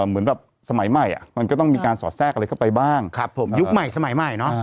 เหมือนแบบสมัยใหม่มันก็ต้องมีการสอดแทรกอะไรเข้าไปบ้างยุคใหม่สมัยใหม่เนาะ